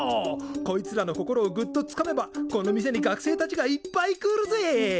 こいつらの心をぐっとつかめばこの店に学生たちがいっぱい来るぜ！